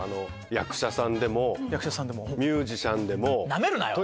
役者さんでもミュージシャンでも。